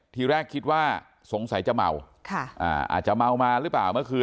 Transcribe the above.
ทีแรกคิดว่าสงสัยจะเมาอาจจะเมามาหรือเปล่าเมื่อคืน